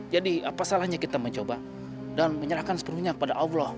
jadi apa salahnya kita mencoba dan menyerahkan semuanya kepada allah